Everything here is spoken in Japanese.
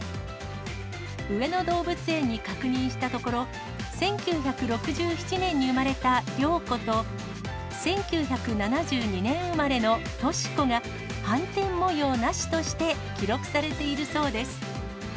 上野動物園に確認したところ、１９６７年に生まれたリョウコと、１９７２年生まれのトシコが、斑点模様なしとして記録されているそうです。